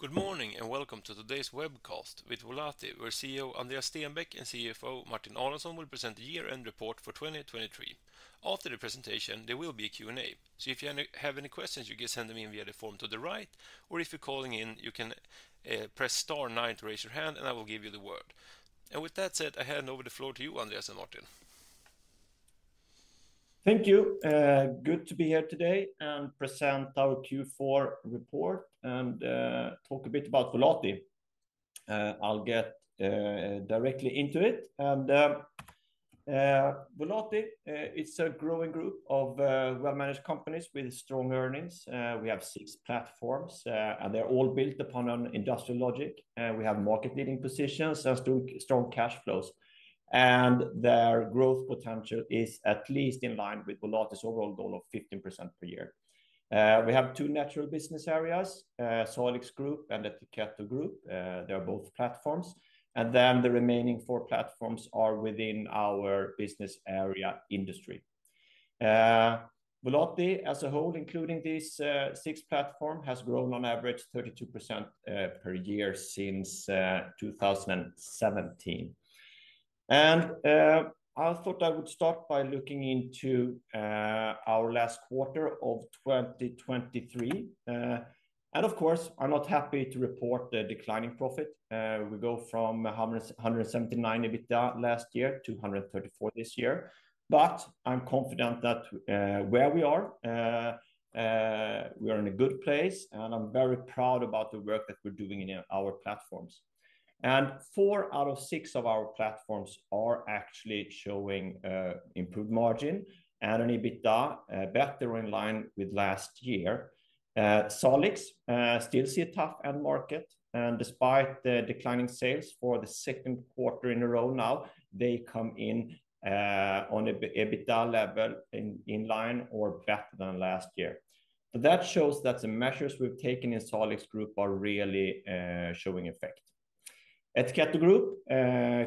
Good morning, and welcome to today's webcast with Volati, where CEO Andreas Stenbäck and CFO Martin Aronsson will present the year-end report for 2023. After the presentation, there will be a Q&A. So if you have any questions, you can send them in via the form to the right, or if you're calling in, you can press star nine to raise your hand, and I will give you the word. And with that said, I hand over the floor to you, Andreas and Martin. Thank you. Good to be here today and present our Q4 report and talk a bit about Volati. I'll get directly into it. Volati, it's a growing group of well-managed companies with strong earnings. We have six platforms, and they're all built upon an industrial logic, and we have market-leading positions and strong, strong cash flows. And their growth potential is at least in line with Volati's overall goal of 15% per year. We have two natural business areas, Salix Group and Ettiketto Group. They are both platforms. And then the remaining four platforms are within our business area Industry. Volati as a whole, including these six platforms, has grown on average 32% per year since 2017. I thought I would start by looking into our last quarter of 2023. Of course, I'm not happy to report the declining profit. We go from 179 EBITDA last year to 134 this year. But I'm confident that where we are, we are in a good place, and I'm very proud about the work that we're doing in our platforms. 4 out of 6 of our platforms are actually showing improved margin and an EBITDA better in line with last year. Salix still see a tough end market, and despite the declining sales for the second quarter in a row now, they come in on a EBITDA level in line or better than last year. But that shows that the measures we've taken in Salix Group are really showing effect. Ettiketto Group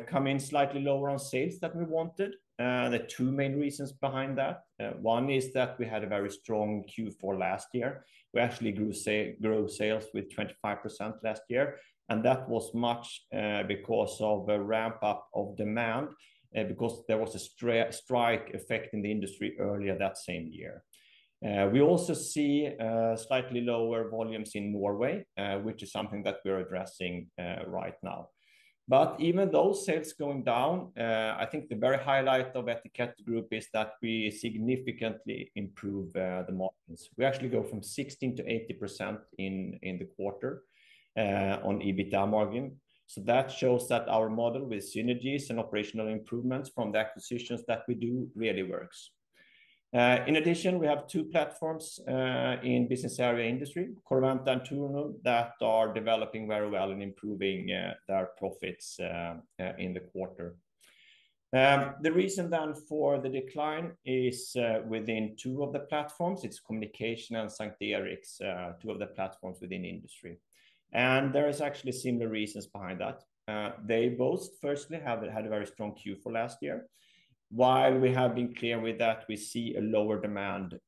come in slightly lower on sales than we wanted. There are two main reasons behind that. One is that we had a very strong Q4 last year. We actually grew sales with 25% last year, and that was much because of a ramp-up of demand because there was a strike effect in the industry earlier that same year. We also see slightly lower volumes in Norway, which is something that we're addressing right now. But even those sales going down, I think the very highlight of Ettiketto Group is that we significantly improve the margins. We actually go from 16%-80% in the quarter on EBITDA margin. So that shows that our model with synergies and operational improvements from the acquisitions that we do really works. In addition, we have two platforms, in business area Industry, Corroventa and Tornum, that are developing very well and improving, their profits, in the quarter. The reason then for the decline is, within two of the platforms. It's Communication and S:t Eriks, two of the platforms within Industry. And there is actually similar reasons behind that. They both, firstly, have, had a very strong Q4 last year. While we have been clear with that, we see a lower demand,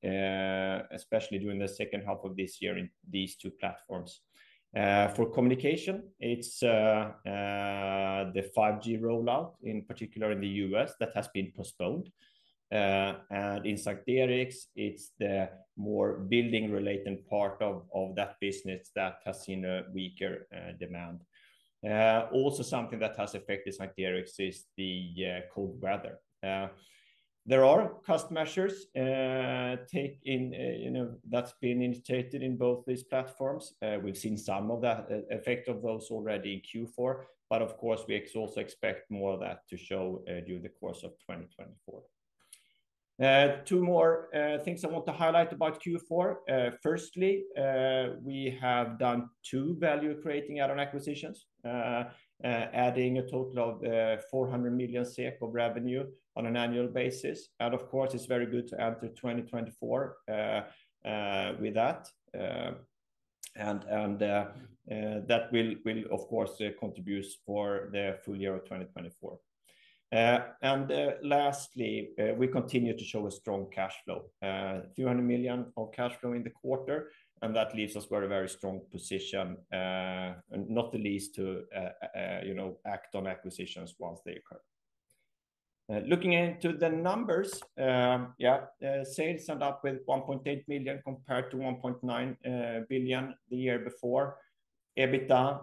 especially during the second half of this year in these two platforms. For Communication, it's, the 5G rollout, in particular in the U.S., that has been postponed. And in S:t Eriks, it's the more building-related part of that business that has seen a weaker demand. Also something that has affected S:t Eriks is the cold weather. There are cost measures taken, you know, that's been instigated in both these platforms. We've seen some of the effect of those already in Q4, but of course, we also expect more of that to show during the course of 2024. Two more things I want to highlight about Q4. Firstly, we have done two value-creating add-on acquisitions, adding a total of 400 million SEK of revenue on an annual basis. And of course, it's very good to enter 2024 with that. That will, of course, contribute for the full year of 2024. And lastly, we continue to show a strong cash flow. 300 million of cash flow in the quarter, and that leaves us with a very strong position, not the least to, you know, act on acquisitions once they occur. Looking into the numbers, sales end up with 1.8 million compared to 1.9 billion the year before. EBITDA,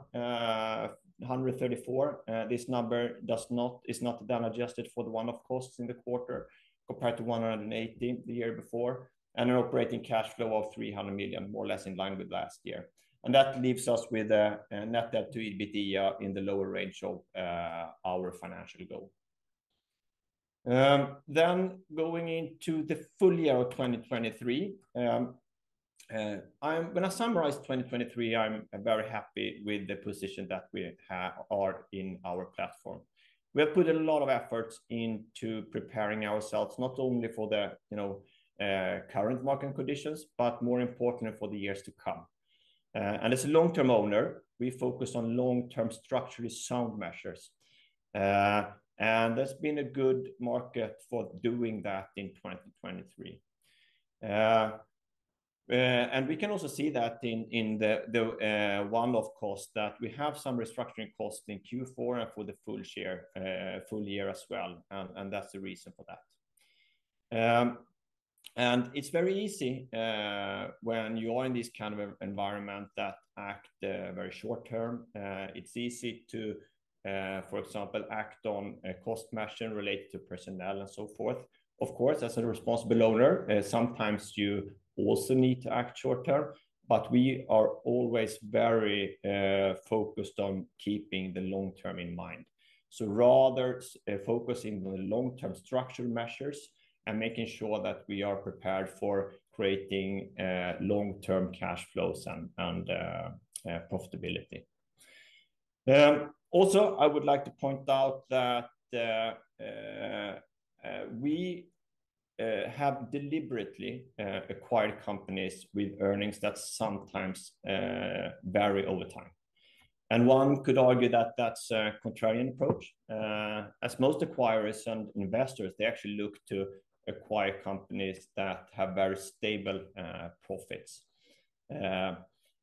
134. This number does not, is not down adjusted for the one-off costs in the quarter, compared to 118 the year before, and an operating cash flow of 300 million, more or less in line with last year. That leaves us with a net debt to EBITDA in the lower range of our financial goal. Then going into the full year of 2023, when I summarize 2023, I'm very happy with the position that we have, are in our platform. We have put a lot of effort into preparing ourselves, not only for the, you know, current market conditions, but more importantly, for the years to come. And as a long-term owner, we focus on long-term, structurally sound measures. And that's been a good market for doing that in 2023. And we can also see that in the one-off cost, that we have some restructuring costs in Q4 and for the full share, full year as well. And that's the reason for that. It's very easy, when you are in this kind of environment that act very short term, it's easy to, for example, act on a cost measure related to personnel and so forth. Of course, as a responsible owner, sometimes you also need to act short term, but we are always very focused on keeping the long term in mind. So rather, focusing on the long-term structural measures and making sure that we are prepared for creating long-term cash flows and profitability. Also, I would like to point out that we have deliberately acquired companies with earnings that sometimes vary over time. And one could argue that that's a contrarian approach. As most acquirers and investors, they actually look to acquire companies that have very stable profits.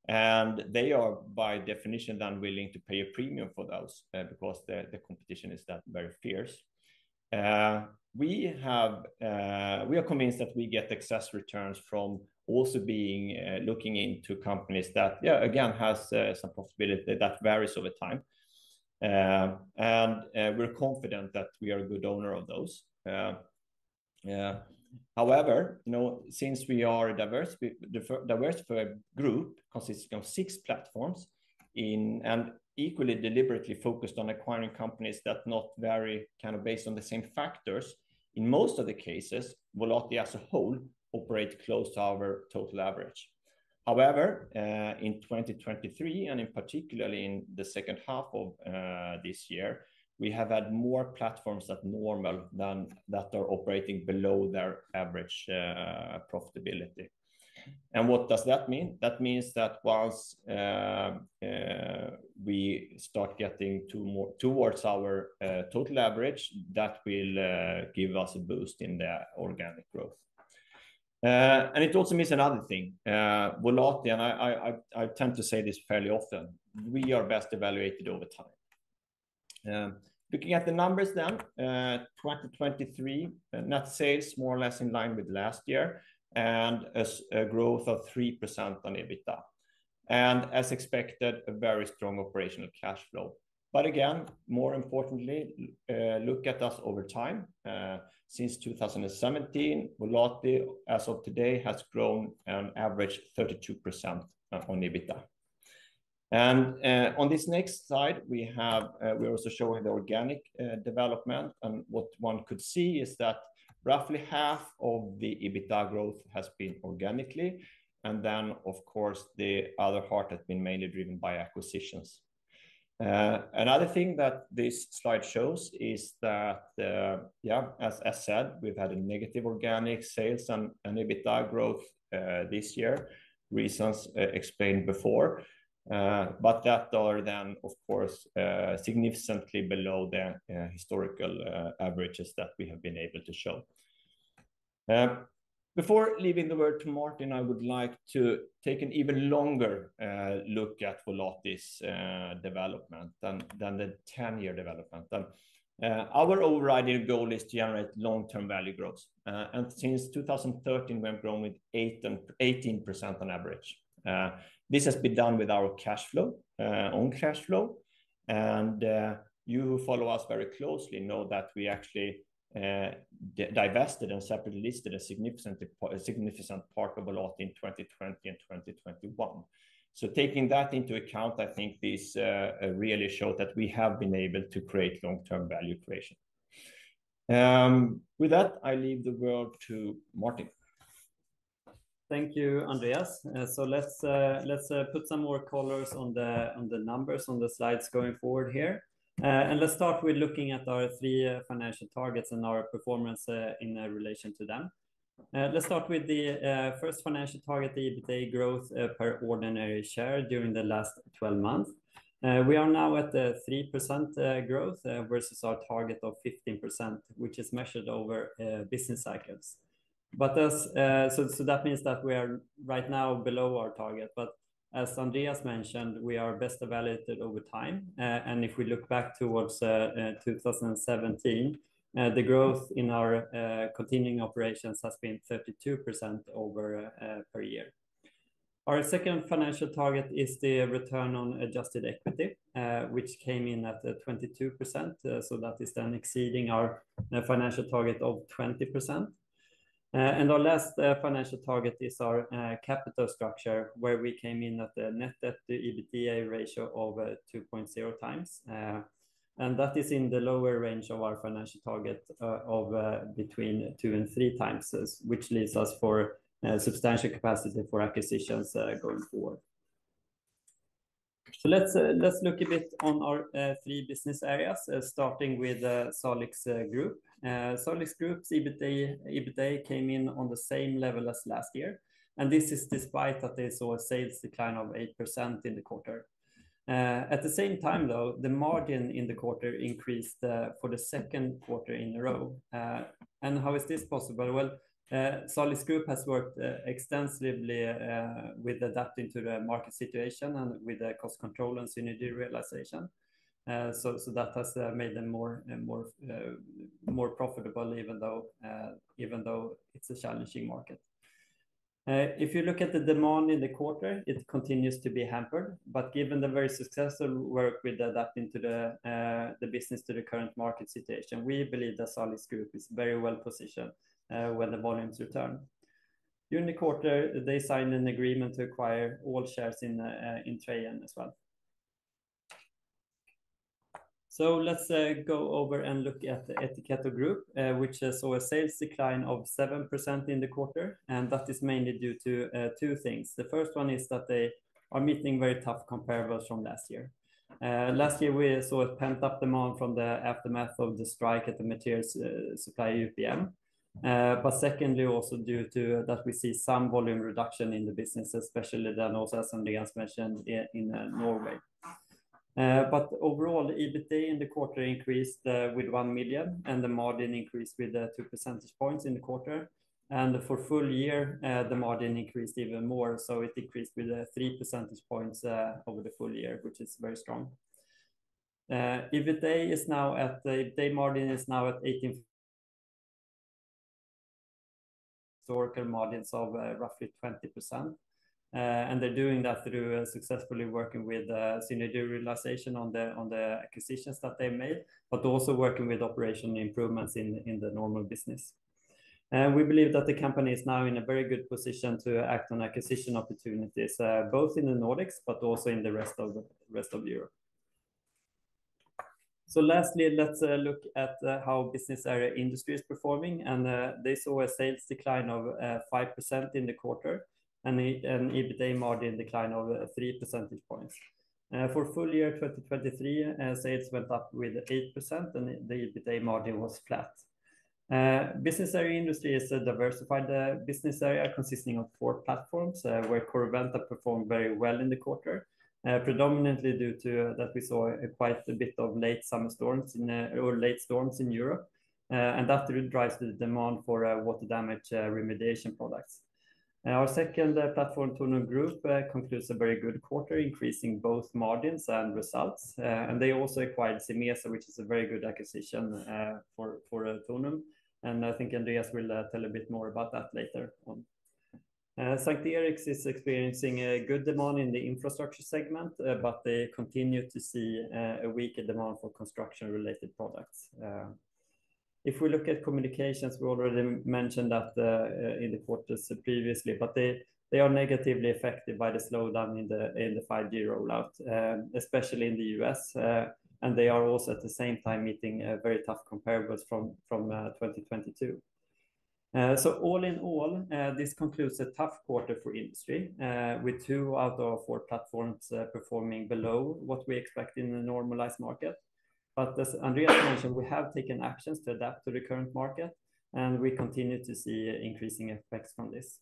And they are, by definition, then willing to pay a premium for those because the competition is that very fierce. We are convinced that we get excess returns from also being looking into companies that, yeah, again, has some profitability that varies over time. We're confident that we are a good owner of those. However, you know, since we are a diverse group consisting of six platforms in and equally deliberately focused on acquiring companies that not vary, kind of, based on the same factors, in most of the cases, Volati as a whole operate close to our total average. However, in 2023, and in particular in the second half of this year, we have had more platforms than normal that are operating below their average profitability. And what does that mean? That means that once, we start getting to more, towards our, total average, that will, give us a boost in the organic growth. And it also means another thing, Volati, and I tend to say this fairly often: We are best evaluated over time. Looking at the numbers now, 2023, net sales more or less in line with last year, and a growth of 3% on EBITDA. And as expected, a very strong operational cash flow. But again, more importantly, look at us over time. Since 2017, Volati, as of today, has grown an average 32% on EBITDA. And, on this next slide, we have, we're also showing the organic, development. What one could see is that roughly half of the EBITDA growth has been organically, and then, of course, the other part has been mainly driven by acquisitions. Another thing that this slide shows is that, yeah, as said, we've had a negative organic sales and EBITDA growth this year, reasons explained before. But that are then, of course, significantly below the historical averages that we have been able to show. Before leaving the word to Martin, I would like to take an even longer look at Volati's development than the ten-year development. Our overriding goal is to generate long-term value growth. And since 2013, we have grown with 18% on average. This has been done with our cash flow, own cash flow. You who follow us very closely know that we actually divested and separately listed a significant part of Volati in 2020 and 2021. So taking that into account, I think this really showed that we have been able to create long-term value creation. With that, I leave the word to Martin. Thank you, Andreas. So let's put some more colors on the numbers on the slides going forward here. And let's start with looking at our three financial targets and our performance in relation to them. Let's start with the first financial target, the EBITDA growth per ordinary share during the last 12 months. We are now at a 3% growth versus our target of 15%, which is measured over business cycles. So that means that we are right now below our target. But as Andreas mentioned, we are best evaluated over time. And if we look back towards 2017, the growth in our continuing operations has been 32% per year. Our second financial target is the return on adjusted equity, which came in at 22%. So that is then exceeding our financial target of 20%. And our last financial target is our capital structure, where we came in at a net debt to EBITDA ratio of 2.0 times. And that is in the lower range of our financial target of between 2 and 3 times, which leaves us for substantial capacity for acquisitions going forward. So let's look a bit on our three business areas, starting with Salix Group. Salix Group's EBITA came in on the same level as last year, and this is despite that they saw a sales decline of 8% in the quarter. At the same time, though, the margin in the quarter increased for the second quarter in a row. And how is this possible? Well, Salix Group has worked extensively with adapting to the market situation and with the cost control and synergy realization. So that has made them more profitable, even though it's a challenging market. If you look at the demand in the quarter, it continues to be hampered. But given the very successful work with adapting the business to the current market situation, we believe that Salix Group is very well positioned when the volumes return. During the quarter, they signed an agreement to acquire all shares in Trejon as well. So let's go over and look at the Ettiketto Group, which saw a sales decline of 7% in the quarter, and that is mainly due to two things. The first one is that they are meeting very tough comparables from last year. Last year, we saw a pent-up demand from the aftermath of the strike at the materials supply UPM. But secondly, also due to that, we see some volume reduction in the business, especially then also, as Andreas mentioned, in Norway. But overall, EBITA in the quarter increased with 1 million, and the margin increased with two percentage points in the quarter. And for full year, the margin increased even more, so it decreased with three percentage points over the full year, which is very strong. EBITA margin is now at 18% historical margins of, roughly 20%. And they're doing that through, successfully working with, synergy realization on the, on the acquisitions that they made, but also working with operational improvements in, in the normal business. We believe that the company is now in a very good position to act on acquisition opportunities, both in the Nordics, but also in the rest of, the rest of Europe. So lastly, let's look at how business area Industry is performing. They saw a sales decline of 5% in the quarter and an EBITA margin decline of three percentage points. For full year 2023, sales went up with 8%, and the EBITA margin was flat. Business Area Industry is a diversified business area consisting of four platforms, where Corroventa performed very well in the quarter. Predominantly due to that, we saw quite a bit of late summer storms in, or late storms in Europe, and that really drives the demand for water damage remediation products. Our second platform, Tornum Group, concludes a very good quarter, increasing both margins and results. They also acquired Simeza, which is a very good acquisition for Tornum, and I think Andreas will tell a bit more about that later on. S:t Eriks is experiencing a good demand in the infrastructure segment, but they continue to see a weaker demand for construction-related products. If we look at Communication, we already mentioned that, in the quarters previously, but they, they are negatively affected by the slowdown in the, in the 5G rollout, especially in the U.S. And they are also, at the same time, meeting very tough comparables from, from 2022. So all in all, this concludes a tough quarter for Industry, with two out of four platforms performing below what we expect in a normalized market. But as Andreas mentioned, we have taken actions to adapt to the current market, and we continue to see increasing effects from this.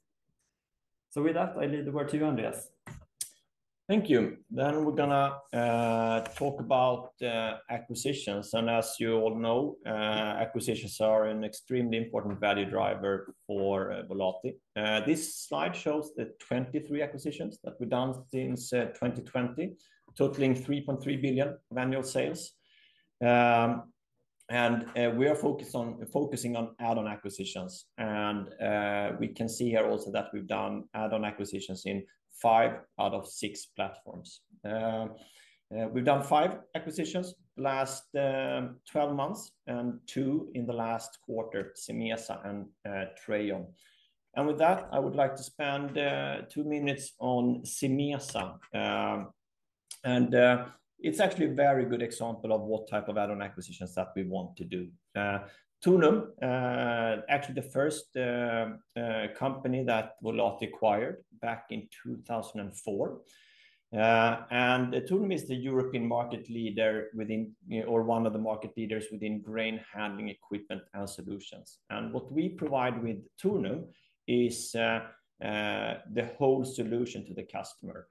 So with that, I leave the word to you, Andreas. Thank you. Then we're going to talk about acquisitions. As you all know, acquisitions are an extremely important value driver for Volati. This slide shows the 23 acquisitions that we've done since 2020, totaling 3.3 billion annual sales. And we are focusing on add-on acquisitions. And we can see here also that we've done add-on acquisitions in 5 out of 6 platforms. We've done 5 acquisitions last 12 months and 2 in the last quarter, Simeza and Trejon. And with that, I would like to spend 2 minutes on Simeza. And it's actually a very good example of what type of add-on acquisitions that we want to do. Tornum actually the first company that Volati acquired back in 2004. Tornum is the European market leader within or one of the market leaders within grain handling equipment and solutions. What we provide with Tornum is the whole solution to the customer.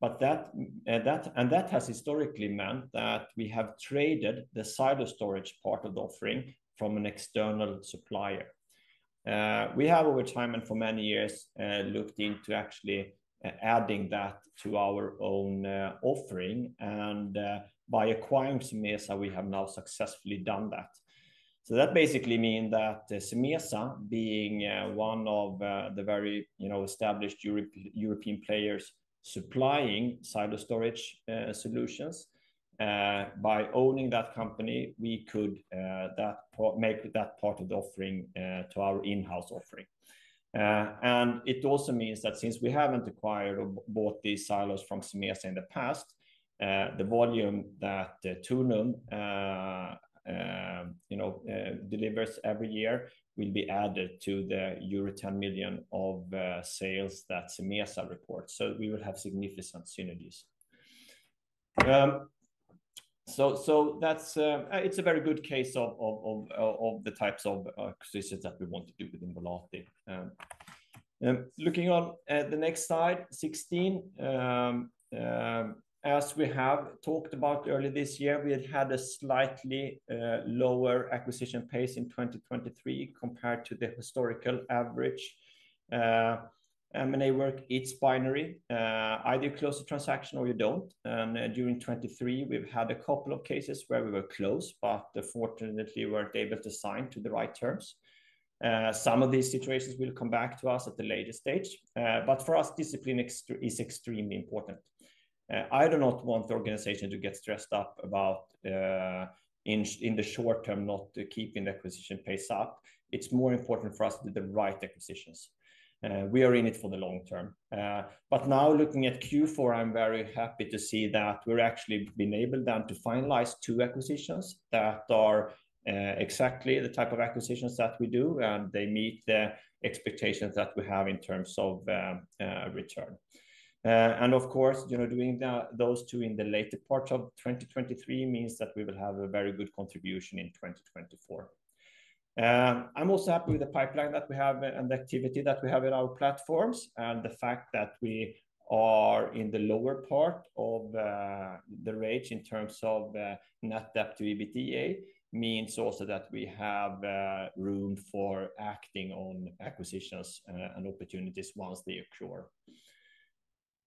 But that has historically meant that we have traded the silo storage part of the offering from an external supplier. We have over time and for many years looked into actually adding that to our own offering. By acquiring Simeza, we have now successfully done that. So that basically mean that Simeza, being one of the very, you know, established European players supplying silo storage solutions, by owning that company, we could make that part of the offering to our in-house offering. It also means that since we haven't acquired or bought these silos from Simeza in the past, the volume that Tornum, you know, delivers every year will be added to the euro 10 million of sales that Simeza reports. So we will have significant synergies. So that's, it's a very good case of the types of acquisitions that we want to do within Volati. Looking on the next slide, 16. As we have talked about earlier this year, we had had a slightly lower acquisition pace in 2023 compared to the historical average. M&A work, it's binary. Either you close the transaction or you don't. During 2023, we've had a couple of cases where we were close, but unfortunately, weren't able to sign to the right terms. Some of these situations will come back to us at the later stage. But for us, discipline is extremely important. I do not want the organization to get stressed up about, in the short term, not keeping the acquisition pace up. It's more important for us to do the right acquisitions. We are in it for the long term. But now looking at Q4, I'm very happy to see that we're actually been able then to finalize two acquisitions that are exactly the type of acquisitions that we do, and they meet the expectations that we have in terms of return. And of course, you know, doing those two in the later part of 2023 means that we will have a very good contribution in 2024. I'm also happy with the pipeline that we have and the activity that we have in our platforms, and the fact that we are in the lower part of the range in terms of net debt to EBITDA means also that we have room for acting on acquisitions and opportunities once they occur.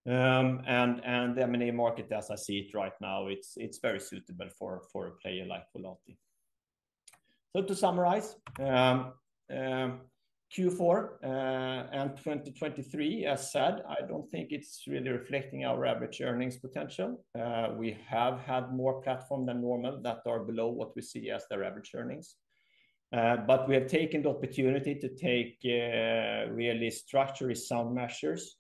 And the M&A market, as I see it right now, it's very suitable for a player like Volati. So to summarize, Q4 and 2023, as said, I don't think it's really reflecting our average earnings potential. We have had more platform than normal that are below what we see as the average earnings. But we have taken the opportunity to take really structurally sound measures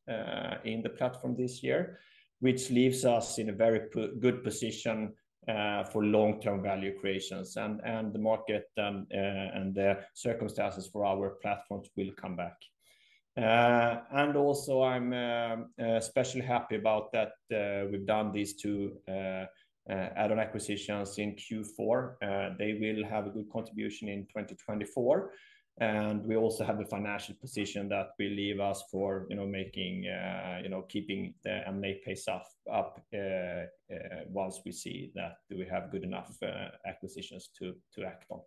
in the platform this year, which leaves us in a very good position for long-term value creations, and the market and the circumstances for our platforms will come back. And also, I'm especially happy about that we've done these two add-on acquisitions in Q4. They will have a good contribution in 2024, and we also have the financial position that will leave us for, you know, making, you know, keeping the M&A pace up once we see that we have good enough acquisitions to act on.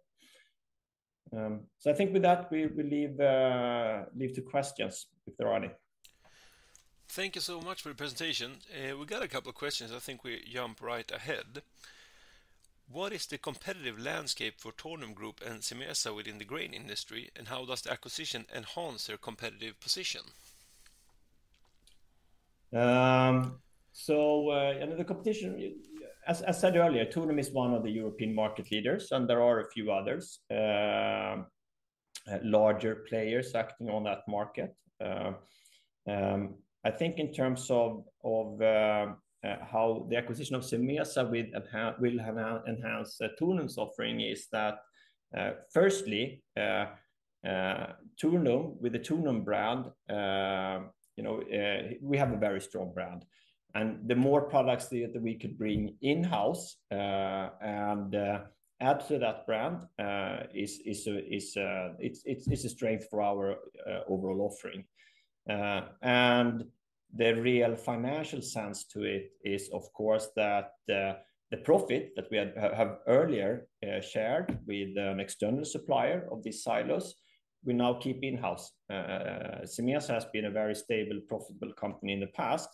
So I think with that, we leave to questions, if there are any. Thank you so much for the presentation. We got a couple of questions. I think we jump right ahead. What is the competitive landscape for Tornum Group and Simeza within the grain industry, and how does the acquisition enhance their competitive position? So, you know, the competition, as I said earlier, Tornum is one of the European market leaders, and there are a few others, larger players acting on that market. I think in terms of how the acquisition of Simeza will enhance Tornum's offering is that, firstly, Tornum, with the Tornum brand, you know, we have a very strong brand. And the more products that we could bring in-house and add to that brand is a strength for our overall offering. And the real financial sense to it is, of course, that the profit that we have earlier shared with an external supplier of these silos, we now keep in-house. Simeza has been a very stable, profitable company in the past.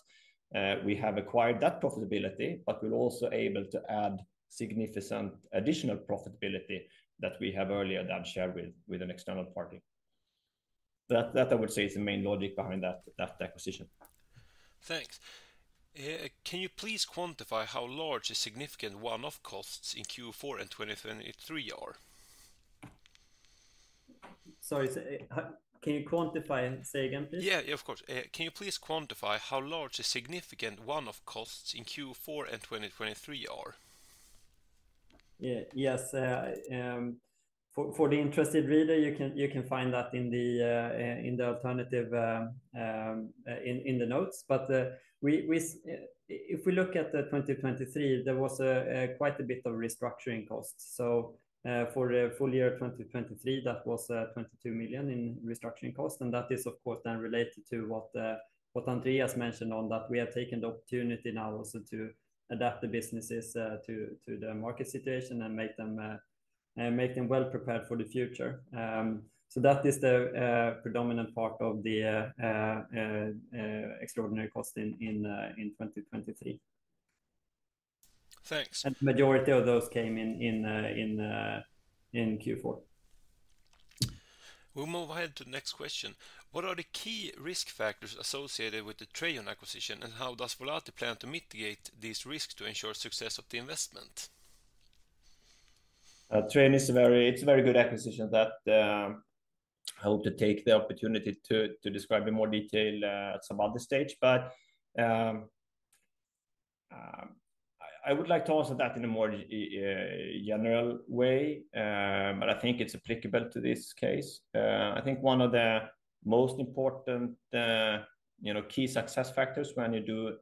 We have acquired that profitability, but we're also able to add significant additional profitability that we have earlier then shared with an external party. That I would say is the main logic behind that acquisition. Thanks. Can you please quantify how large a significant one-off costs in Q4 and 2023 are? Sorry, can you quantify? Say again, please. Yeah, of course. Can you please quantify how large a significant one-off costs in Q4 and 2023 are? Yeah. Yes, for the interested reader, you can find that in the alternative in the notes. If we look at the 2023, there was quite a bit of restructuring costs. For the full year of 2023, that was 22 million in restructuring costs, and that is, of course, then related to what Andreas mentioned on that. We have taken the opportunity now also to adapt the businesses to the market situation and make them well prepared for the future. So that is the predominant part of the extraordinary cost in 2023. Thanks. Majority of those came in Q4. We'll move ahead to the next question. What are the key risk factors associated with the Trejon acquisition, and how does Volati plan to mitigate these risks to ensure success of the investment? Trejon is a very, it's a very good acquisition that, I hope to take the opportunity to describe in more detail, at some other stage. But, I would like to answer that in a more general way, but I think it's applicable to this case. I think one of the most important, you know, key success factors when you do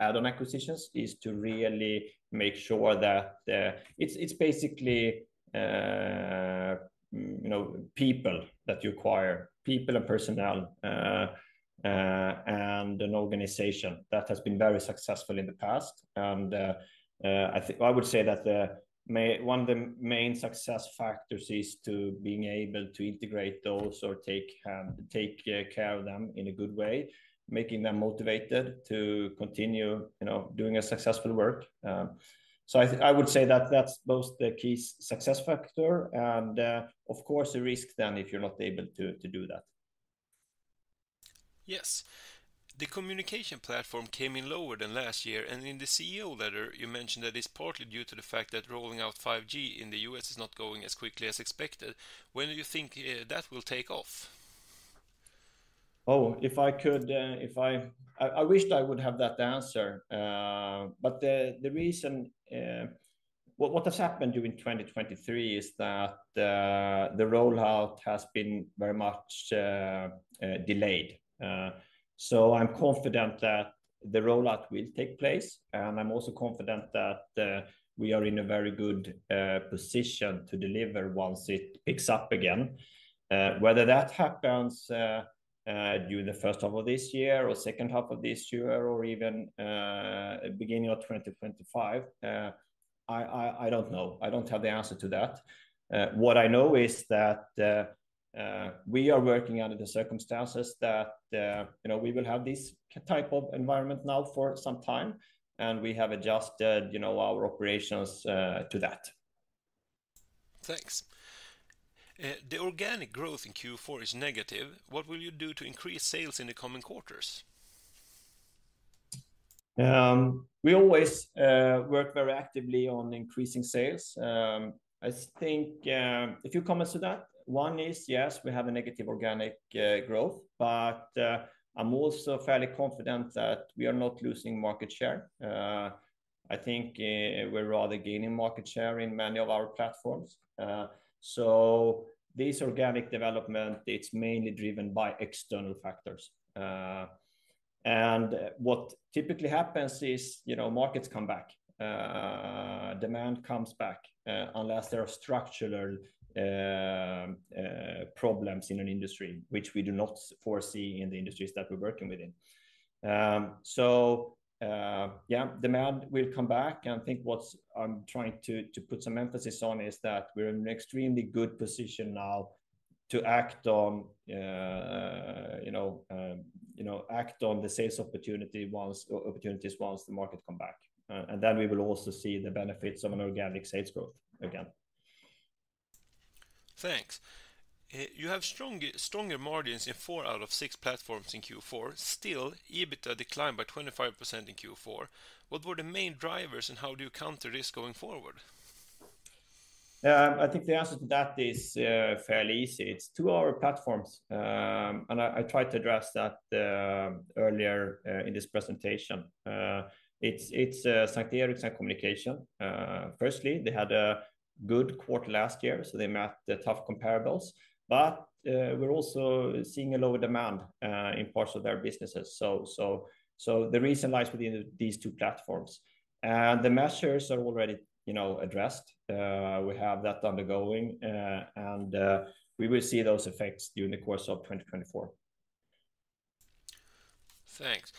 add-on acquisitions, is to really make sure that it's basically, you know, people that you acquire, people and personnel, and an organization that has been very successful in the past. And, I think I would say that the main. One of the main success factors is to being able to integrate those or take, take care of them in a good way, making them motivated to continue, you know, doing a successful work. So I would say that that's most the key success factor, and, of course, a risk then if you're not able to do that. Yes. The Communication platform came in lower than last year, and in the CEO letter, you mentioned that it's partly due to the fact that rolling out 5G in the U.S. is not going as quickly as expected. When do you think that will take off? Oh, if I could, if I wished I would have that answer. But the reason, well, what has happened during 2023 is that the rollout has been very much delayed. So I'm confident that the rollout will take place, and I'm also confident that we are in a very good position to deliver once it picks up again. Whether that happens during the first half of this year, or second half of this year, or even beginning of 2025, I don't know. I don't have the answer to that. What I know is that we are working under the circumstances that you know, we will have this type of environment now for some time, and we have adjusted, you know, our operations to that. Thanks. The organic growth in Q4 is negative. What will you do to increase sales in the coming quarters? We always work very actively on increasing sales. I think a few comments to that. One is, yes, we have a negative organic growth, but I'm also fairly confident that we are not losing market share. I think we're rather gaining market share in many of our platforms. So this organic development, it's mainly driven by external factors. And what typically happens is, you know, markets come back, demand comes back, unless there are structural problems in an industry, which we do not foresee in the industries that we're working within. So yeah, demand will come back, and I think what's. I'm trying to put some emphasis on is that we're in an extremely good position now to act on, you know, you know, act on the sales opportunity once opportunities once the market come back. And then we will also see the benefits of an organic sales growth again. Thanks. You have stronger, stronger margins in 4 out of 6 platforms in Q4, still, EBITDA declined by 25% in Q4. What were the main drivers, and how do you counter this going forward? I think the answer to that is fairly easy. It's two our platforms, and I tried to address that earlier in this presentation. It's S:t Eriks Communication. Firstly, they had a good quarter last year, so they met the tough comparables. But we're also seeing a lower demand in parts of their businesses. So the reason lies within these two platforms. And the measures are already, you know, addressed. We have that undergoing, and we will see those effects during the course of 2024. Thanks.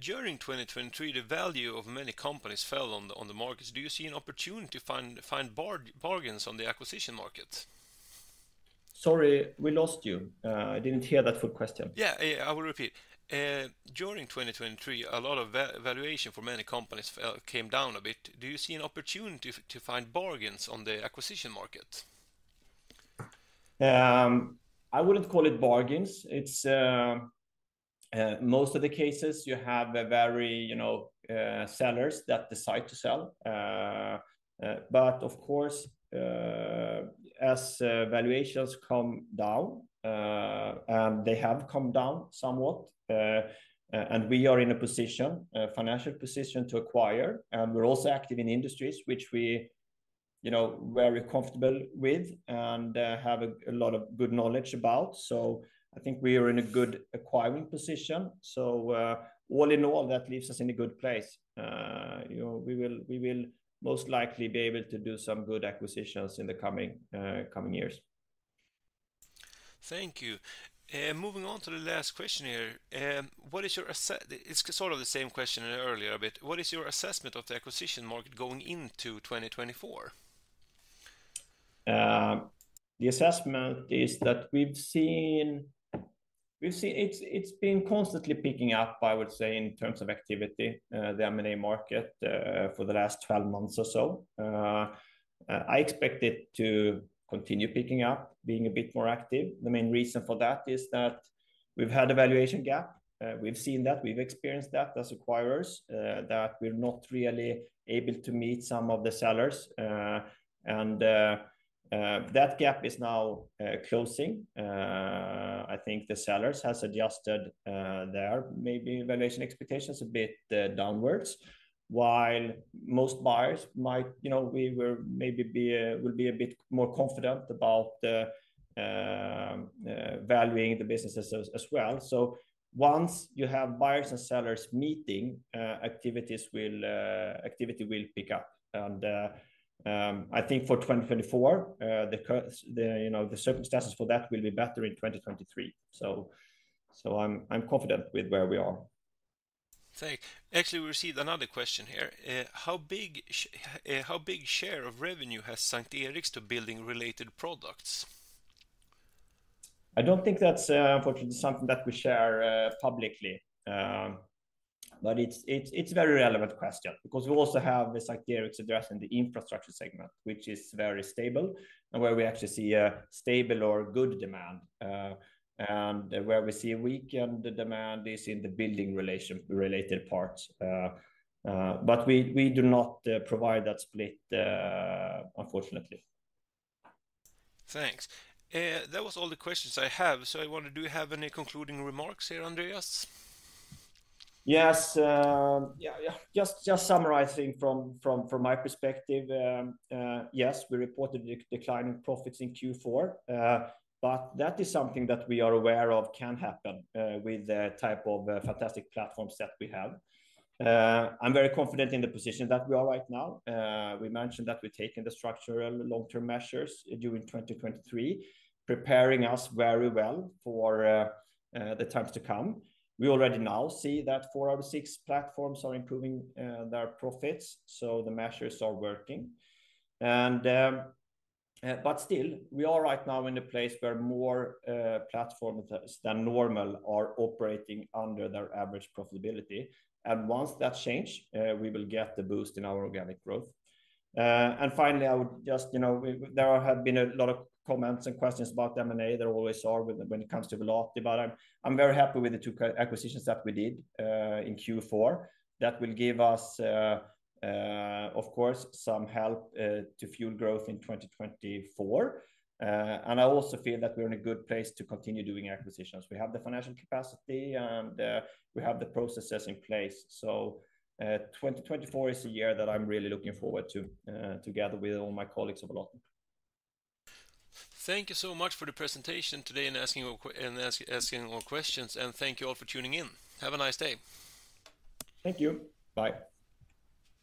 During 2023, the value of many companies fell on the markets. Do you see an opportunity to find bargains on the acquisition market? Sorry, we lost you. I didn't hear that full question. Yeah, yeah, I will repeat. During 2023, a lot of valuation for many companies fell, came down a bit. Do you see an opportunity to find bargains on the acquisition market? I wouldn't call it bargains. It's most of the cases you have a very, you know, sellers that decide to sell. But of course, as valuations come down, and they have come down somewhat, and we are in a position, a financial position to acquire, and we're also active in industries which we, you know, very comfortable with and, have a lot of good knowledge about. So I think we are in a good acquiring position. So, all in all, that leaves us in a good place. You know, we will, we will most likely be able to do some good acquisitions in the coming, coming years. Thank you. Moving on to the last question here. What is your assessment—it's sort of the same question as earlier, a bit. What is your assessment of the acquisition market going into 2024? The assessment is that we've seen. It's been constantly picking up, I would say, in terms of activity, the M&A market, for the last 12 months or so. I expect it to continue picking up, being a bit more active. The main reason for that is that we've had a valuation gap. We've seen that, we've experienced that as acquirers, that we're not really able to meet some of the sellers. And that gap is now closing. I think the sellers has adjusted their maybe valuation expectations a bit downwards, while most buyers might, you know, we will maybe be, will be a bit more confident about the valuing the businesses as well. So once you have buyers and sellers meeting, activity will pick up. I think for 2024, you know, the circumstances for that will be better in 2023. So I'm confident with where we are. Thanks. Actually, we received another question here. How big share of revenue has S:t Eriks to building-related products? I don't think that's, unfortunately, something that we share publicly. But it's a very relevant question because we also have this S:t Eriks address in the infrastructure segment, which is very stable, and where we actually see a stable or good demand. And where we see a weakened demand is in the building relation, related parts. But we do not provide that split, unfortunately. Thanks. That was all the questions I have. So I wonder, do you have any concluding remarks here, Andreas? Yes, yeah, yeah. Just summarizing from my perspective, yes, we reported declining profits in Q4. But that is something that we are aware of can happen with the type of fantastic platforms that we have. I'm very confident in the position that we are right now. We mentioned that we've taken the structural long-term measures during 2023, preparing us very well for the times to come. We already now see that four out of six platforms are improving their profits, so the measures are working. But still, we are right now in a place where more platforms than normal are operating under their average profitability. Once that change, we will get the boost in our organic growth. And finally, I would just, you know, there have been a lot of comments and questions about M&A. There always are when it comes to Volati, but I'm very happy with the 2 acquisitions that we did in Q4. That will give us, of course, some help to fuel growth in 2024. And I also feel that we're in a good place to continue doing acquisitions. We have the financial capacity, and we have the processes in place. So, 2024 is a year that I'm really looking forward to, together with all my colleagues at Volati. Thank you so much for the presentation today and asking all questions, and thank you all for tuning in. Have a nice day. Thank you. Bye.